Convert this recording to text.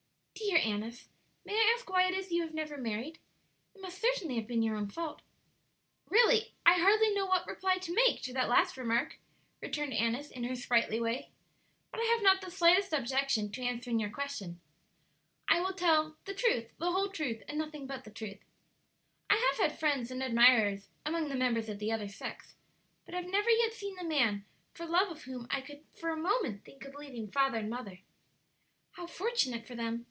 "Dear Annis, may I ask why it is you have never married? It must certainly have been your own fault." "Really, I hardly know what reply to make to that last remark," returned Annis, in her sprightly way. "But I have not the slightest objection to answering your question. I will tell 'the truth, the whole truth, and nothing but the truth.' I have had friends and admirers among the members of the other sex, but have never yet seen the man for love of whom I could for a moment think of leaving father and mother." "How fortunate for them!"